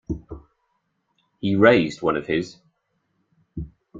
He raised one of his.